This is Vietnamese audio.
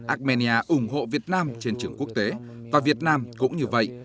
armenia ủng hộ việt nam trên trường quốc tế và việt nam cũng như vậy